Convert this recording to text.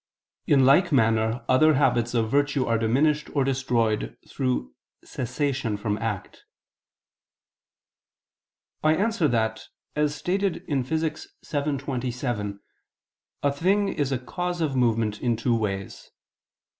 In like manner other habits of virtue are diminished or destroyed through cessation from act. I answer that, As stated in Phys. vii, text. 27, a thing is a cause of movement in two ways.